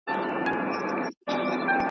اوس دېوالونه هم غوږونه لري